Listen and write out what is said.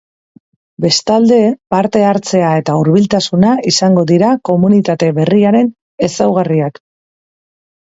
Bestalde, parte hartzea eta hurbiltasuna izango dira komunitate berriaren ezaugarriak.